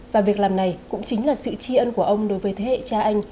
và việc làm này cũng chính là sự tri ân của ông đối với thế hệ cha anh